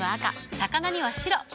魚には白。